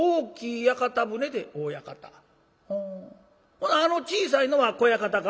ほなあの小さいのは小屋形か？」。